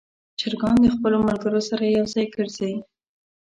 چرګان د خپلو ملګرو سره یو ځای ګرځي.